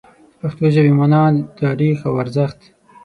د پښتو ژبې مانا، تاریخ او ارزښت